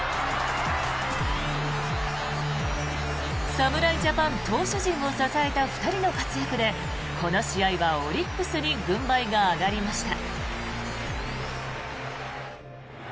侍ジャパン投手陣を支えた２人の活躍でこの試合はオリックスに軍配が上がりました。